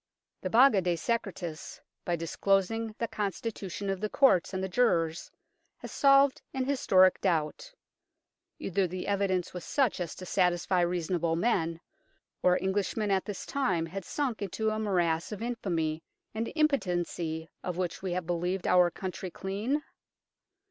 The Baga de Secretis, by disclosing the constitution of the Courts and the jurors, has solved an historic doubt. Either the evidence was such as to satisfy reasonable men, or Englishmen at this time had sunk into a morass of infamy and impotency of which we had believed our country clean.